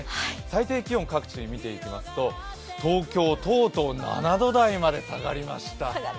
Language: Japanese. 最低気温各地で見ていきますと東京とうとう７度台まで下がりました。